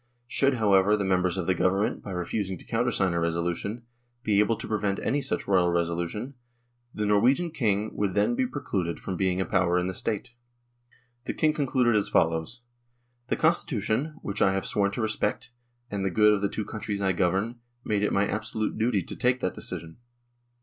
Should, however, the members of the Government, by refusing to counter sign a resolution, be able to prevent any such Royal resolution, the Norwegian King would then be pre cluded from being a power in the State. 1 The King concluded as follows :" The Constitu tion, which I have sworn to respect, and the good of the two countries I govern, made it my absolute duty to take that decision.